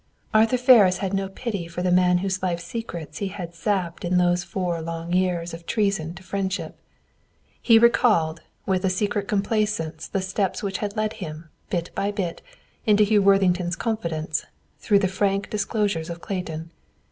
Arthur Ferris had no pity for the man whose life secrets he had sapped in those four long years of treason to friendship. He recalled with a secret complacence the steps which had led him, bit by bit, into Hugh Worthington's confidence, through the frank disclosures of Clayton.